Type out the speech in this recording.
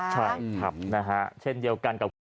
ใช่ถามนะคะเช่นเดียวกันกับ